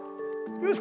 よし！